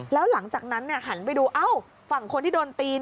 แล้วหลังจากนั้นหันไปดูฝั่งคนที่โดนตี